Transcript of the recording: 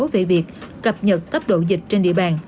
về việc cập nhật tốc độ dịch trên địa bàn